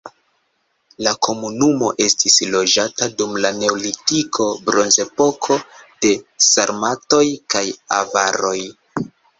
La komunumo estis loĝata dum la neolitiko, bronzepoko, de sarmatoj kaj avaroj.